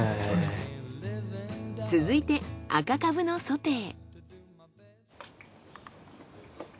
続いて赤カブのソテー。